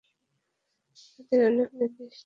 তাদের অনেকে নির্দিষ্ট কোন মাযহাব এর অনুসরণ করে না।